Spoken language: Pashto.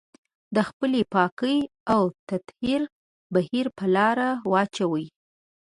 د خپلې پاکي او تطهير بهير په لار واچوي.